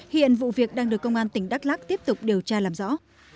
hiện vụ việc đang được công an tỉnh đắk lắc tiếp tục điều tra làm rõ